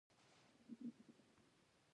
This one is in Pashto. لوږه ډوډۍ غواړي